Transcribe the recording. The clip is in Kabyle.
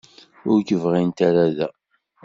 Ur k-bɣint ara da.